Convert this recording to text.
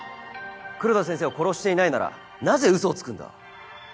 黒田先生を殺していないならなぜウソをつくんだ？